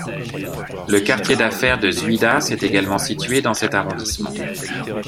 Le quartier d'affaires de Zuidas est également situé dans cet arrondissement.